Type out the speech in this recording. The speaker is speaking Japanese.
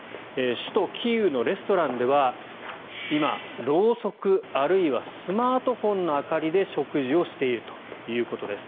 首都キーウのレストランでは今、ろうそくあるいはスマートフォンの明かりで食事をしているということです。